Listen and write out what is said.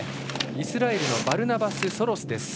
イスラエルのバルナバス・ソロス。